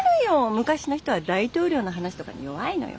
昔の人は大統領の話とかに弱いのよ。